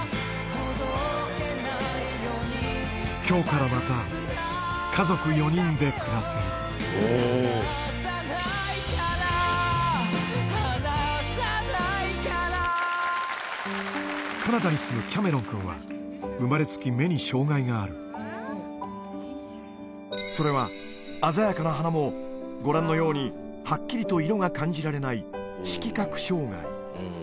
今日からまた家族４人で暮らせるカナダに住むキャメロン君は生まれつき目に障害があるそれは鮮やかな花もご覧のようにはっきりと色が感じられない色覚障害